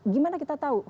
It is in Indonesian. gimana kita tahu